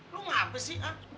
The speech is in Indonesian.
lo ngapain sih ah